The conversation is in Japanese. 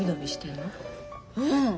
うん。